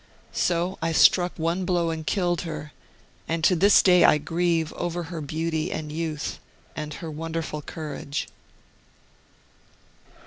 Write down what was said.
So I struck one blow and killed her, and to this day I grieve over her beauty and youth, and her wonder ful courage."